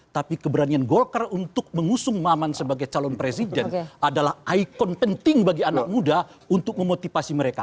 tapi keberanian golkar untuk mengusung maman sebagai calon presiden adalah ikon penting bagi anak muda untuk memotivasi mereka